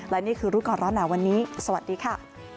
และนี่คือรู้ก่อนร้อนหนาวันนี้สวัสดีค่ะ